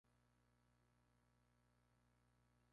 Las hoja se disponen en espiral y son palmeadas o dentadas.